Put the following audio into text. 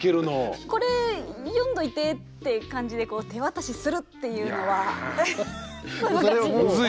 これ読んどいてって感じで手渡しするっていうのは難しいですか？